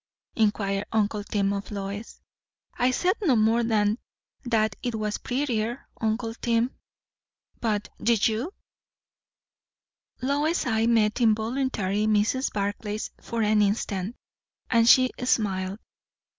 inquired uncle Tim of Lois. "I said no more than that it was prettier, uncle Tim." "But du ye?" Lois's eye met involuntarily Mrs. Barclay's for an instant, and she smiled.